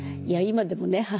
いや今でもね